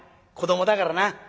子どもだからな。